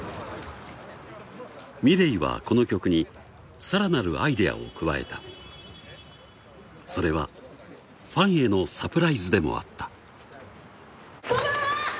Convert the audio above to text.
ｍｉｌｅｔはこの曲に更なるアイデアを加えたそれはファンへのサプライズでもあったこんばんは！